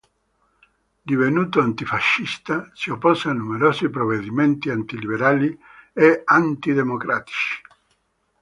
Divenuto antifascista, si oppose a numerosi provvedimenti anti-liberali e anti-democratici.